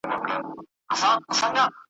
که وفا که یارانه ده په دې ښار کي بېګانه ده `